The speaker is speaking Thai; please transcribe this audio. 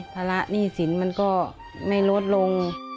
ภาระหนี้สินมันก็ไม่ลดลง